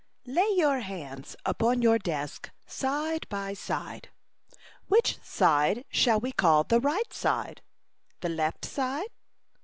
Lay your hands upon your desk, side by side. Which side shall we call the right side? The left side?